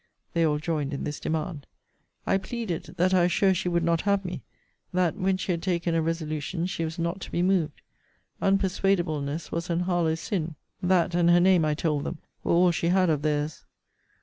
They all joined in this demand. I pleaded, that I was sure she would not have me: that, when she had taken a resolution, she was not to be moved. Unpersuadableness was an Harlowe sin: that, and her name, I told them, were all she had of theirs.